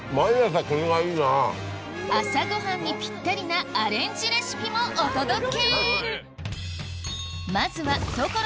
朝ごはんにぴったりなアレンジレシピもお届け